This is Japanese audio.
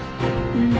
うん。